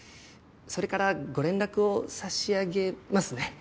それからご連絡を差し上げますね。